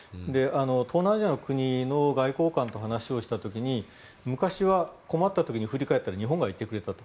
東南アジアの国の外交官と話をした時に昔は困った時に振り返ったら日本がいてくれたと。